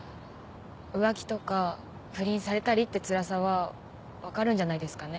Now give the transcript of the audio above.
浮気とか不倫されたりってつらさは分かるんじゃないですかね。